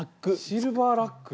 シルバーラック。